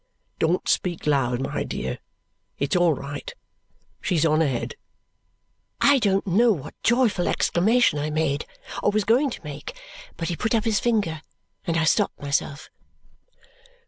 Don't speak loud, my dear. It's all right. She's on ahead." I don't know what joyful exclamation I made or was going to make, but he put up his finger and I stopped myself.